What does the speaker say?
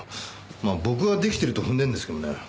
まあ僕はデキてると踏んでるんですけどね。